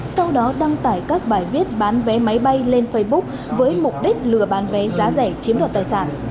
sau đó đăng tải các bài viết bán vé máy bay lên facebook với mục đích lừa bán vé giá rẻ chiếm đoạt tài sản